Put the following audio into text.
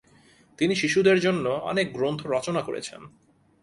তিনি শিশুদের জন্য অনেক গ্রন্থ রচনা করেছেন।